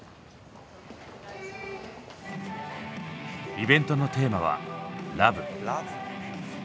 イベントのテーマは「ＬＯＶＥ」。